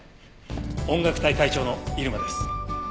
音楽隊隊長の入間です。